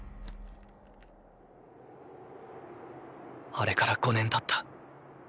あれから５年たった。